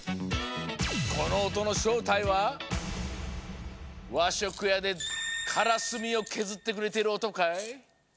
このおとのしょうたいはわしょくやでカラスミをけずってくれているおとかい？